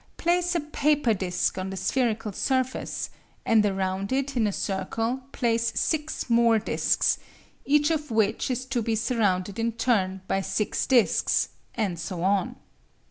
Place a paper disc on the spherical surface, and around it in a circle place six more discs, each of which is to be surrounded in turn by six discs, and so on.